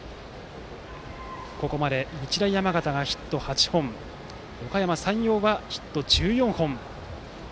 ここまで日大山形がヒット８本おかやま山陽はヒット１４本。